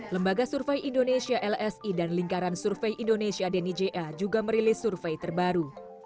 lembaga survei indonesia lsi dan lingkaran survei indonesia denny ja juga merilis survei terbaru